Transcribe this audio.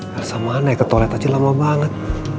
gak usah mana ikut toilet aja lama banget